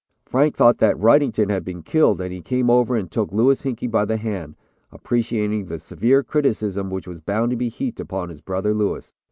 Frank thought that Wrightington had been killed and he came over and took Louis Hinkey by the hand, appreciating the severe criticism which was bound to be heaped upon his brother Louis.